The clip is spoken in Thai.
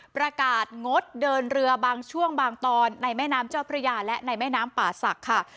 ประกาศงดเดินเรือบางช่วงบางตอนในแม่น้ำเจ้าพระยาและในแม่น้ำป่าศักดิ์ค่ะ